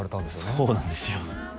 そうなんですよ